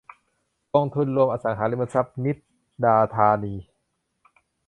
กองทุนรวมอสังหาริมทรัพย์นิชดาธานี